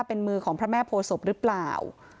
เป็นมือของพระแม่โพศพหรือเปล่า